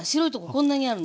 こんなにあるの。